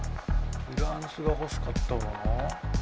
フランスが欲しかったもの？